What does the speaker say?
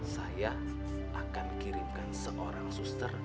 saya akan kirimkan seorang suster